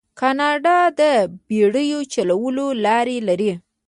کاناډا د بیړیو چلولو لارې لري.